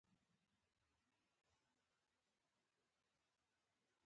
درواغجن په ټولنه کښي بې حيثيته ښکاري